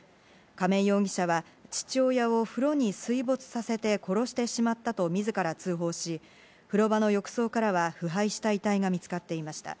亀井容疑者は父親を風呂に水没させて殺してしまったと自ら通報し、風呂場の浴槽からは腐敗した遺体が見つかっていました。